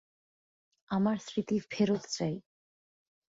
আমার স্মৃতি ফেরত চাই।